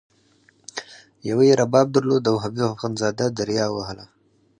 یوه یې رباب درلود او حبیب اخندزاده دریا وهله.